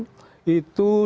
itu bukan semata mata